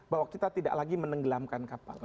bahwa kita tidak lagi menenggelamkan kapal